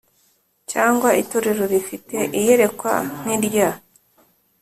cyangwa itorero rifite iyerekwa nk irya